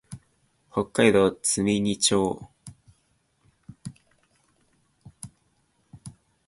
北海道積丹町